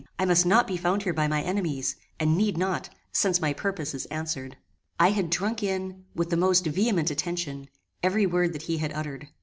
I must not be found here by my enemies, and need not, since my purpose is answered." I had drunk in, with the most vehement attention, every word that he had uttered.